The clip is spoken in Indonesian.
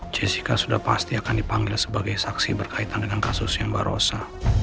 jessica sudah pasti akan dipanggil sebagai saksi berkaitan dengan kasus yang berosa